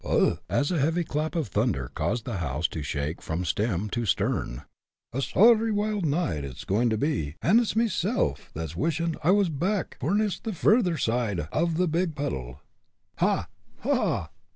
Ugh!" as a heavy clap of thunder caused the house to shake from stem to stern, "a sorry wild night it's a goin' to be, an' it's meself that's wishin' I was back forninst the furdther side av the big puddle." "Ha! ha!"